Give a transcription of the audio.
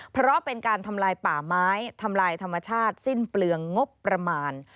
เพราะเป็นการทำลายป่าไม้ทำลายธรรมชาติสิ้นเปลืองงบประมาณ